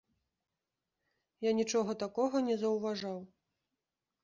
Я нічога такога не заўважаў.